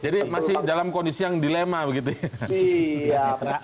jadi masih dalam kondisi yang dilema begitu ya